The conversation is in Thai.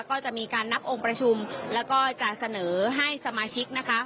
ก็จะมีการนับองค์ประชุมแล้วก็จะเสนอให้สมาชิกนะคะ